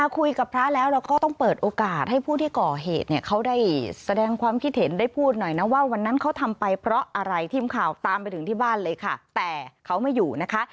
คุยกับพระแล้วเราก็ต้องเปิดโอกาสให้ผู้ที่ก่อเหตุเนี่ยเขาได้แสดงความคิดเห็นได้พูดหน่อยนะว่าวันนั้นเขาทำไปเพราะอะไรทีมข่าวตามไปถึงที่บ้านเลยค่ะแต่เขาไม่อยู่นะคะ